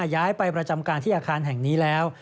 ย้ายไปประจำการที่อาคารแห่งนี้แล้ว